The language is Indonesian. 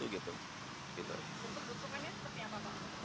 untuk dukungannya seperti apa pak